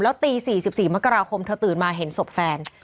ตี๔๔มกราคมเธอตื่นมาเห็นศพแฟน